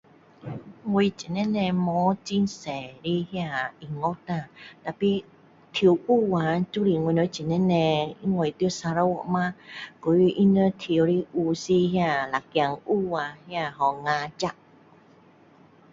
我这里呢冇很多的那音乐啊，tapi 跳舞啊都是我人这里的很多因为砂拉越嘛，还有他人跳的舞是那个拉仔舞啊那叫 Ngajat